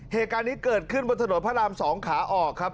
เหตุการณ์นี้เกิดขึ้นบนถนนพระราม๒ขาออกครับ